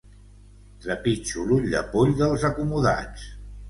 Trepitjo l'ull de poll dels acomodats.